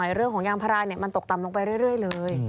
เรื่องของยางพารามันตกต่ำลงไปเรื่อยเลย